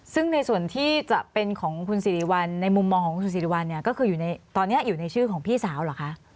ซึ่งในส่วนที่จะเป็นของคุณสิริวัลในมุมมองของคุณสิริวัลเนี่ยก็คืออยู่ในตอนนี้อยู่ในชื่อของพี่สาวเหรอคะ